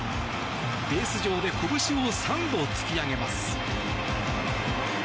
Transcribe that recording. ベース上でこぶしを３度突き上げます。